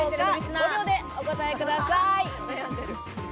５秒でお答えください。